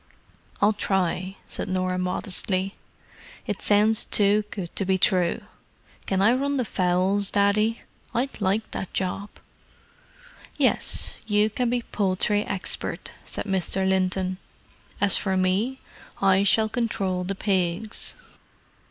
"I'll try," said Norah modestly. "It sounds too good to be true. Can I run the fowls, Daddy? I'd like that job." "Yes, you can be poultry expert," said Mr. Linton. "As for me, I shall control the pigs."